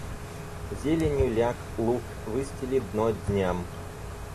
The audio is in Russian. Зеленью ляг, луг, выстели дно дням.